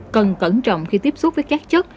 cần cẩn trọng khi tiếp xúc với các chất